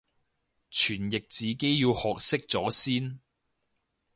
傳譯自己要學識咗先